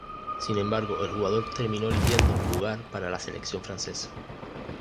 Sin embargo el jugador terminó eligiendo jugar para la selección francesa.